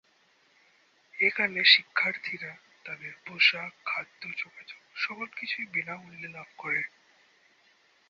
এখানে শিক্ষার্থীরা তাদের পোশাক, খাদ্য, যোগাযোগ সকল কিছুই বিনামূল্যে লাভ করে।